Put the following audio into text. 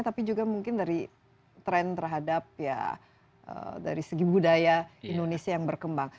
tapi juga mungkin dari tren terhadap ya dari segi budaya indonesia yang berkembang